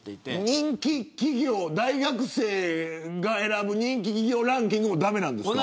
人気企業、大学生が選ぶ人気企業ランキングも駄目なんですか。